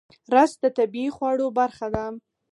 رس د طبیعي خواړو برخه ده